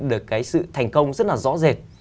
được cái sự thành công rất là rõ rệt